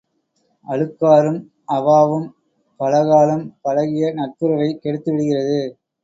அழுக்காறும் அவாவும் பலகாலும் பழகிய நட்புறவைக் கெடுத்து விடுகிறது.